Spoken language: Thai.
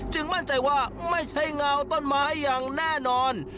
มั่นใจว่าไม่ใช่เงาต้นไม้อย่างแน่นอน